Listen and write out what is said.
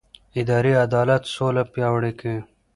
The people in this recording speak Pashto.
اداري عدالت سوله پیاوړې کوي